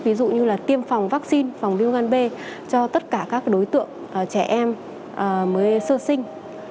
ví dụ như là tiêm phòng vaccine phòng viêm gan b cho tất cả các đối tượng trẻ em mới sơ sinh